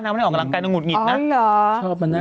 ไม่ได้ออกกำลังกายนางหงุดหงิดนะ